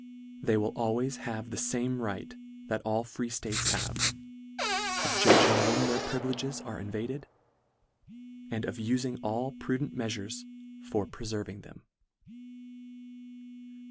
They will al ways have the fame right that all free ftates have, of judging when their privileges are invaded, and of ufing all prudent meafures for preferving them.